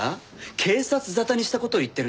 警察沙汰にした事を言ってるんですか？